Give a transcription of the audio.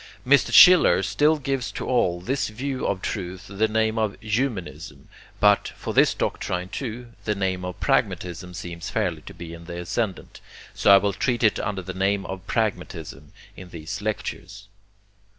Mr. Schiller still gives to all this view of truth the name of 'Humanism,' but, for this doctrine too, the name of pragmatism seems fairly to be in the ascendant, so I will treat it under the name of pragmatism in these lectures.